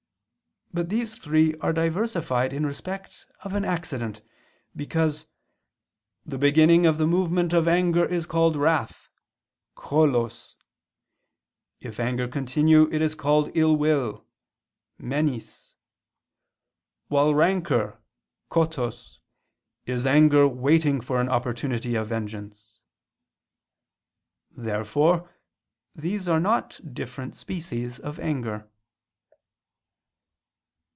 But these three are diversified in respect of an accident: because "the beginning of the movement of anger is called wrath (cholos), if anger continue it is called ill will (menis); while rancor (kotos) is anger waiting for an opportunity of vengeance." Therefore these are not different species of anger.